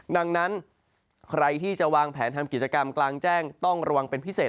ดังนั้นใครที่จะวางแผนทำกิจกรรมกลางแจ้งต้องระวังเป็นพิเศษ